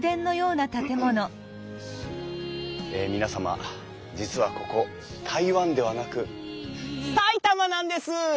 え皆様実はここ台湾ではなく埼玉なんです！